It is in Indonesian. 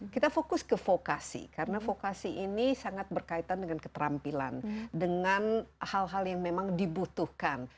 kita fokus ke vokasi karena vokasi ini sangat berkaitan dengan keterampilan dengan hal hal yang memang dibutuhkan